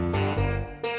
nih si tati